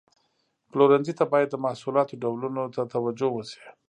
پلورنځي ته باید د محصولاتو ډولونو ته توجه وشي.